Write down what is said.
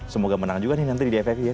semoga menang juga nih nanti di dff ya